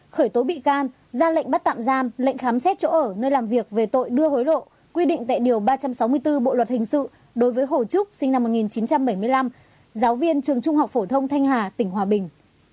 khởi tố bị can ra lệnh bắt tạm giam lệnh khám xét chỗ ở nơi làm việc về tội đưa hối lộ quy định tại điều ba trăm sáu mươi bốn bộ luật hình sự đối với hồ trúc sinh năm một nghìn chín trăm bảy mươi năm giáo viên trường trung học phổ thông thanh hà tỉnh hòa bình